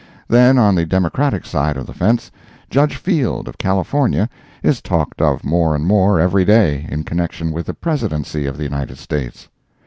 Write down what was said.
Then, on the Democratic side of the fence, Judge Field, of California, is talked of more and more every day in connection with the Presidency of the United States.